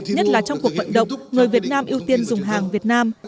nhất là trong cuộc vận động người việt nam ưu tiên dùng hàng việt nam